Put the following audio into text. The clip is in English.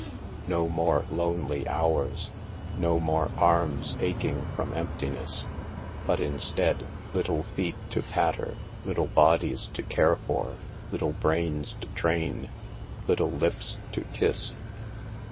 No more lonely hours! No more arms aching from emptiness! But, instead, little feet to patter, little bodies to care for, little brains to train, little lips to kiss.